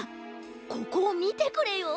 ここをみてくれよ。